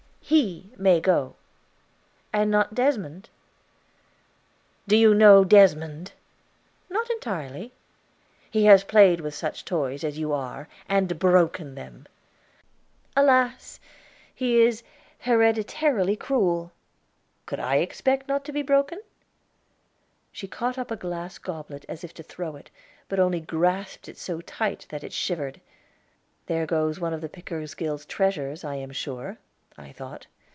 "He may go." "And not Desmond?" "Do you know Desmond?" "Not entirely." "He has played with such toys as you are, and broken them." "Alas, he is hereditarily cruel! Could I expect not to be broken?" She caught up a glass goblet as if to throw it, but only grasped it so tight that it shivered. "There goes one of the Pickersgill treasures, I am sure," I thought.